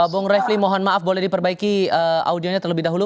bung refli mohon maaf boleh diperbaiki audionya terlebih dahulu